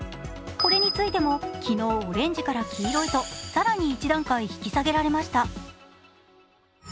これについても昨日昨日、オレンジから黄色へと更に一段階引き下げられました。